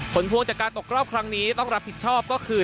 ผลพวงจากการตกรอบครั้งนี้ต้องรับผิดชอบก็คือ